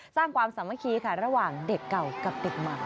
สร้างความสามัคคีค่ะระหว่างเด็กเก่ากับเด็กใหม่